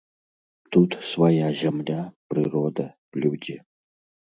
Тут свая зямля, прырода, людзі.